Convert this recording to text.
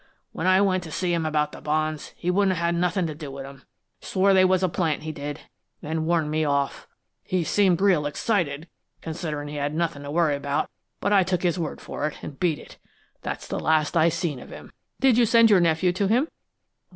When I went to see him about the bonds, he wouldn't have nothin' to do with them. Swore they was a plant, he did, an' warned me off. He seemed real excited, considerin' he had nothin' to worry about, but I took his word for it, an' beat it. That's the last I seen of him." "Did you send your nephew to him?"